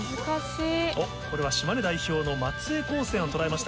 おっこれは島根代表の松江高専をとらえました。